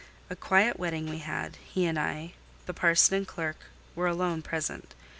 A quiet wedding we had: he and I, the parson and clerk, were alone present.